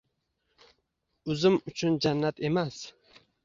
Uzim uchun jannat emas